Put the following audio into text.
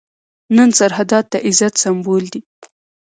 نن سرحدات د عزت سمبول دي.